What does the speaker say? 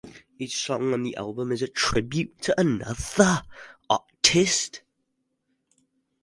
Each song on the album is a tribute to another artist.